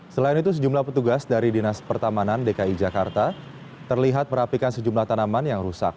selain itu sejumlah petugas dari dinas pertamanan dki jakarta terlihat merapikan sejumlah tanaman yang rusak